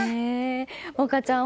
萌夏ちゃん